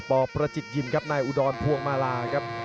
ปประจิตยิมครับนายอุดรพวงมาลาครับ